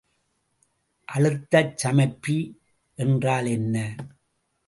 அழுத்தச் சமைப்பி என்றால் என்ன?